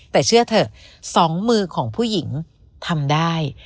แต่เชื่อเถอะสองมือของผู้หญิงทำได้